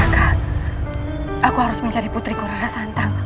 raka aku harus mencari putri kurara santang